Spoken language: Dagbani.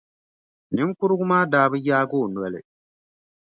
Niŋkurugu maa daa bi yaagi o noli.